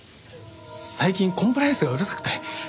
最近コンプライアンスがうるさくて。